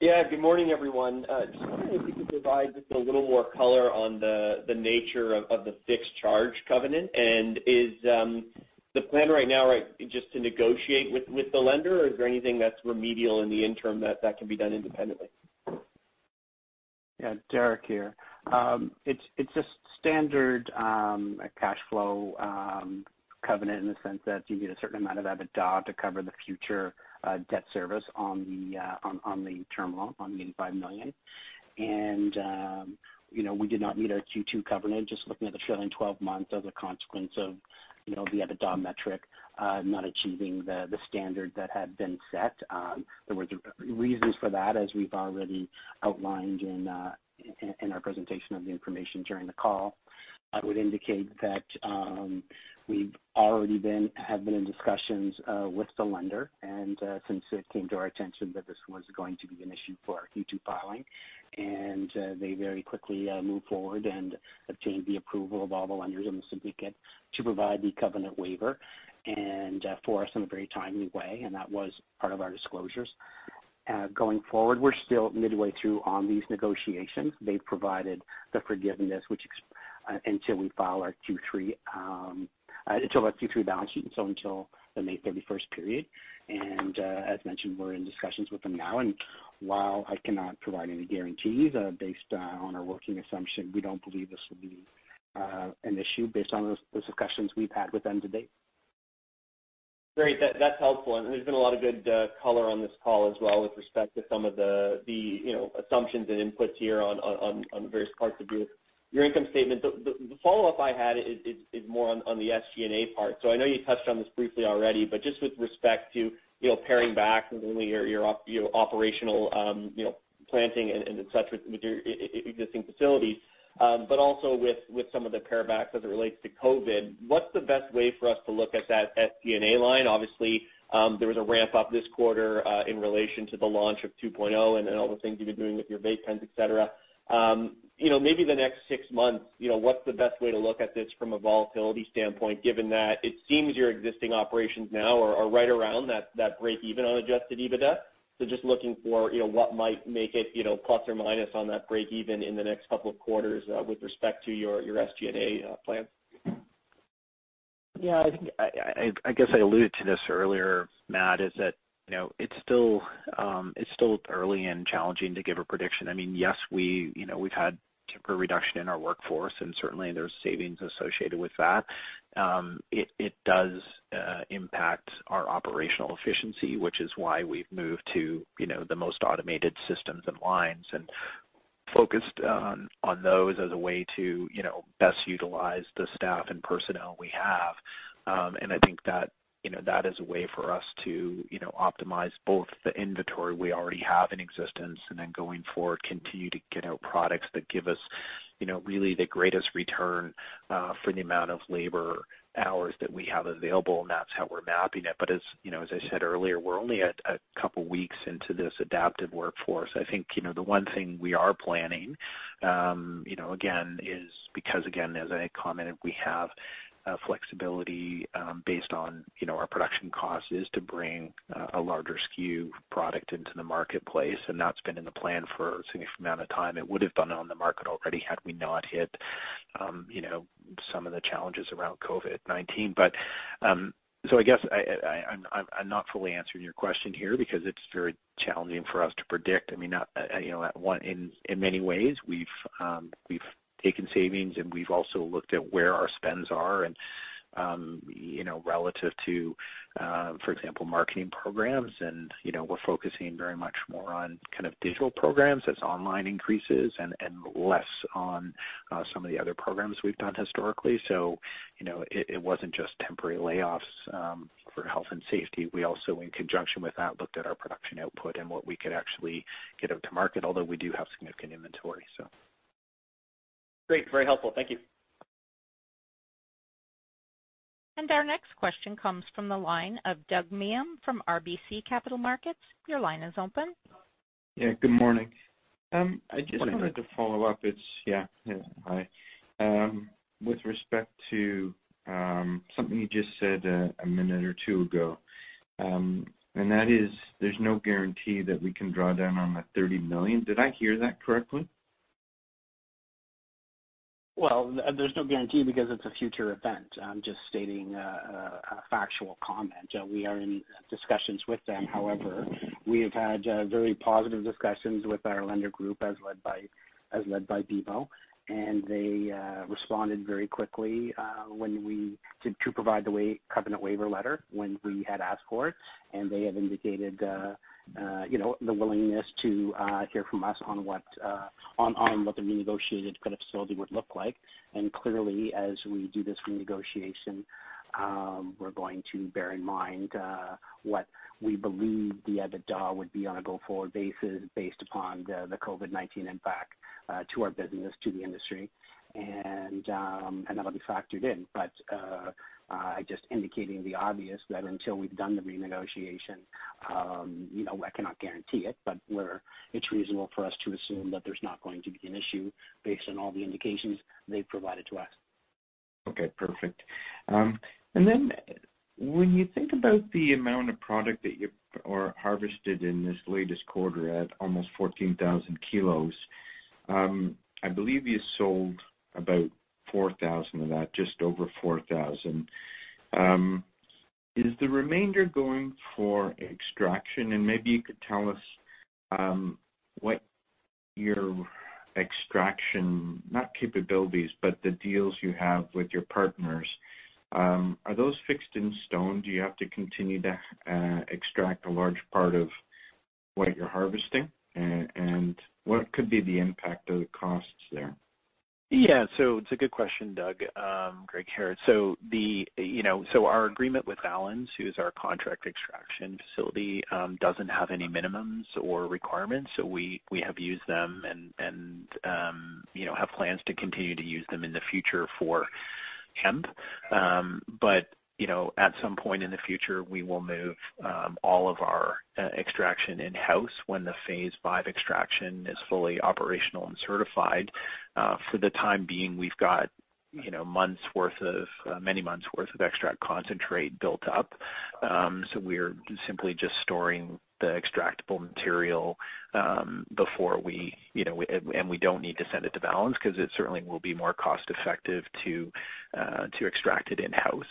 Yeah, good morning, everyone. Just wondering if you could provide just a little more color on the nature of the fixed charge covenant, and is the plan right now, right, just to negotiate with the lender? Or is there anything that's remedial in the interim that can be done independently? Yeah, Derrick here. It's a standard cash flow covenant in the sense that you need a certain amount of EBITDA to cover the future debt service on the term loan, on the $85 million. And you know, we did not meet our Q2 covenant just looking at the trailing 12 months as a consequence of you know, the EBITDA metric not achieving the standard that had been set. There were reasons for that, as we've already outlined in our presentation of the information during the call. I would indicate that we've already have been in discussions with the lender, and since it came to our attention that this was going to be an issue for our Q2 filing. And they very quickly moved forward and obtained the approval of all the lenders in the syndicate to provide the covenant waiver, and for us in a very timely way, and that was part of our disclosures. Going forward, we're still midway through on these negotiations. They've provided the forbearance, which extends until we file our Q3 balance sheet, and so until the May thirty-first period. And as mentioned, we're in discussions with them now. And while I cannot provide any guarantees, based on our working assumption, we don't believe this will be an issue based on the discussions we've had with them to date. Great. That's helpful, and there's been a lot of good color on this call as well with respect to some of the you know assumptions and inputs here on the various parts of your income statement. The follow-up I had is more on the SG&A part. So I know you touched on this briefly already, but just with respect to you know paring back not only your operational you know planting and et cetera with your existing facilities but also with some of the paring backs as it relates to COVID. What's the best way for us to look at that SG&A line? Obviously, there was a ramp-up this quarter, in relation to the launch of 2.0, and then all the things you've been doing with your vape pens, et cetera. You know, maybe the next six months, you know, what's the best way to look at this from a volatility standpoint, given that it seems your existing operations now are right around that breakeven on adjusted EBITDA? So just looking for, you know, what might make it, you know, plus or minus on that breakeven in the next couple of quarters, with respect to your SG&A plan. Yeah, I think I guess I alluded to this earlier, Matt, is that, you know, it's still early and challenging to give a prediction. I mean, yes, we, you know, we've had temporary reduction in our workforce, and certainly there's savings associated with that. It does impact our operational efficiency, which is why we've moved to, you know, the most automated systems and lines, and focused on those as a way to, you know, best utilize the staff and personnel we have. And I think that, you know, that is a way for us to, you know, optimize both the inventory we already have in existence, and then going forward, continue to get out products that give us, you know, really the greatest return, for the amount of labor hours that we have available, and that's how we're mapping it. But as, you know, as I said earlier, we're only at a couple weeks into this adaptive workforce. I think, you know, the one thing we are planning, you know, again, is because, again, as I commented, we have, flexibility, based on, you know, our production costs, is to bring, a larger SKU product into the marketplace, and that's been in the plan for a significant amount of time. It would have been on the market already had we not hit, you know, some of the challenges around COVID-19. But so I guess I'm not fully answering your question here because it's very challenging for us to predict. I mean, not, you know, at one- in many ways, we've taken savings, and we've also looked at where our spends are and, you know, relative to, for example, marketing programs. And, you know, we're focusing very much more on kind of digital programs as online increases and less on, some of the other programs we've done historically. So, you know, it wasn't just temporary layoffs, for health and safety. We also, in conjunction with that, looked at our production output and what we could actually get out to market, although we do have significant inventory, so. Great, very helpful. Thank you. Our next question comes from the line of Doug Miehm from RBC Capital Markets. Your line is open. Yeah, good morning. I just- Good morning. wanted to follow up. It's... Yeah, yeah, hi. With respect to something you just said a minute or two ago, and that is, there's no guarantee that we can draw down on that 30 million. Did I hear that correctly? There's no guarantee because it's a future event. I'm just stating a factual comment. We are in discussions with them. However, we have had very positive discussions with our lender group as led by BMO, and they responded very quickly to provide the covenant waiver letter when we had asked for it, and they have indicated you know the willingness to hear from us on what the renegotiated credit facility would look like. Clearly, as we do this renegotiation, we're going to bear in mind what we believe the EBITDA would be on a go-forward basis, based upon the COVID-19 impact to our business, to the industry, and that'll be factored in. But just indicating the obvious, that until we've done the renegotiation, you know, I cannot guarantee it, but it's reasonable for us to assume that there's not going to be an issue based on all the indications they've provided to us. Okay, perfect. And then when you think about the amount of product that you've harvested in this latest quarter at almost 14,000 kilos, I believe you sold about 4,000 of that, just over 4,000. Is the remainder going for extraction? And maybe you could tell us what your extraction, not capabilities, but the deals you have with your partners, are those fixed in stone? Do you have to continue to extract a large part of what you're harvesting, and what could be the impact of the costs there? Yeah, so it's a good question, Doug. Greg Engel. So the, you know, so our agreement with Valens, who is our contract extraction facility, doesn't have any minimums or requirements. So we have used them and, you know, have plans to continue to use them in the future for hemp. But, you know, at some point in the future, we will move all of our extraction in-house when the phase V extraction is fully operational and certified. For the time being, we've got, you know, months worth of many months worth of extract concentrate built up. So we're simply just storing the extractable material before we, you know, and we don't need to send it to Valens, because it certainly will be more cost effective to extract it in-house.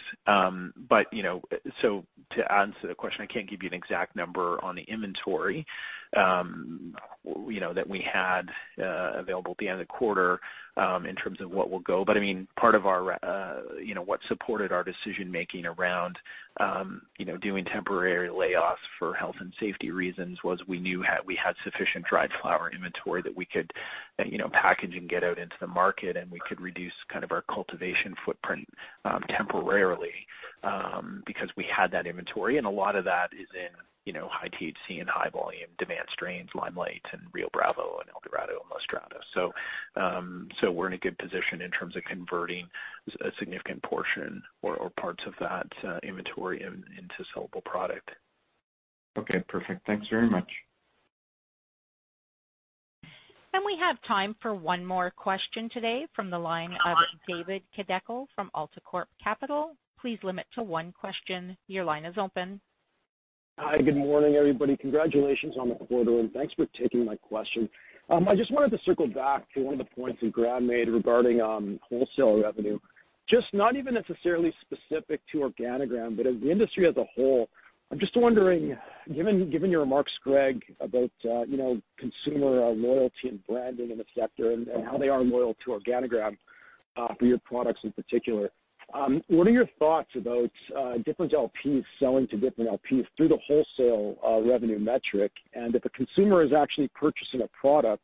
But, you know, so to answer the question, I can't give you an exact number on the inventory, you know, that we had, available at the end of the quarter, in terms of what will go. But, I mean, part of our, you know, what supported our decision-making around, you know, doing temporary layoffs for health and safety reasons, was we knew we had sufficient dried flower inventory that we could, you know, package and get out into the market, and we could reduce kind of our cultivation footprint, temporarily, because we had that inventory. And a lot of that is in, you know, high THC and high volume demand strains, Limelight and Rio Bravo and El Dorado and La Strada. We're in a good position in terms of converting a significant portion or parts of that inventory into sellable product. Okay, perfect. Thanks very much. We have time for one more question today from the line of David Kideckel from AltaCorp Capital. Please limit to one question. Your line is open. Hi, good morning, everybody. Congratulations on the quarter, and thanks for taking my question. I just wanted to circle back to one of the points that Graeme made regarding wholesale revenue, just not even necessarily specific to Organigram, but as the industry as a whole. I'm just wondering, given your remarks, Greg, about you know, consumer loyalty and branding in the sector and how they are loyal to Organigram for your products in particular, what are your thoughts about different LPs selling to different LPs through the wholesale revenue metric? And if a consumer is actually purchasing a product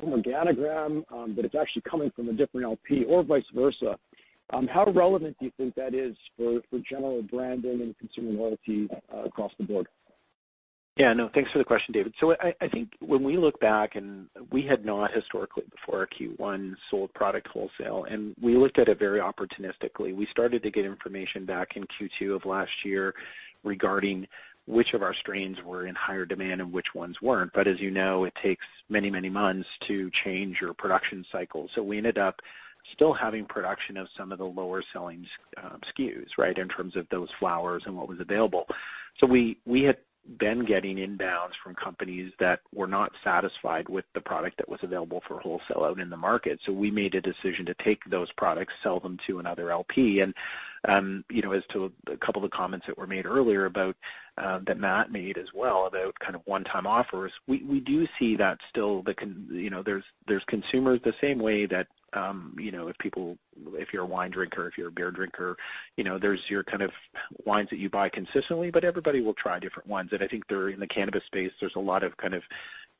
from Organigram but it's actually coming from a different LP or vice versa, how relevant do you think that is for general branding and consumer loyalty across the board? Yeah, no, thanks for the question, David. So I, I think when we look back and we had not historically before our Q1, sold product wholesale, and we looked at it very opportunistically. We started to get information back in Q2 of last year regarding which of our strains were in higher demand and which ones weren't. But as you know, it takes many, many months to change your production cycle. So we ended up still having production of some of the lower selling, SKUs, right? In terms of those flowers and what was available. So we, we had been getting inbounds from companies that were not satisfied with the product that was available for wholesale out in the market. So we made a decision to take those products, sell them to another LP. You know, as to a couple of the comments that were made earlier about that Matt made as well, about kind of one-time offers, we do see that still, you know, there's consumers the same way that, you know, if you're a wine drinker, if you're a beer drinker, you know, there's your kind of wines that you buy consistently, but everybody will try different wines. I think there in the cannabis space, there's a lot of kind of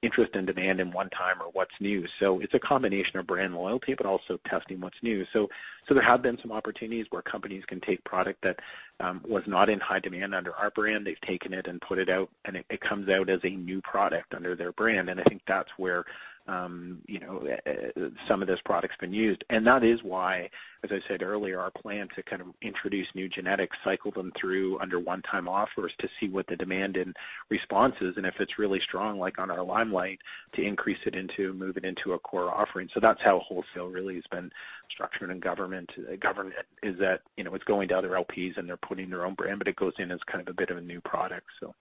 interest and demand in one-time or what's new. So it's a combination of brand loyalty, but also testing what's new. There have been some opportunities where companies can take product that was not in high demand under our brand. They've taken it and put it out, and it comes out as a new product under their brand. And I think that's where, you know, some of this product's been used. And that is why, as I said earlier, our plan to kind of introduce new genetics, cycle them through under one-time offers to see what the demand and response is, and if it's really strong, like on our Limelight, to increase it into moving into a core offering. So that's how wholesale really has been structured and government government is that, you know, it's going to other LPs, and they're putting their own brand, but it goes in as kind of a bit of a new product, so.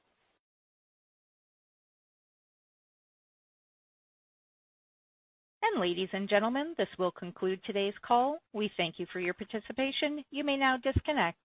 Ladies and gentlemen, this will conclude today's call. We thank you for your participation. You may now disconnect.